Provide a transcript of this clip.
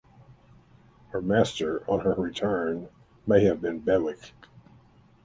Her master on her return may have been Bewick.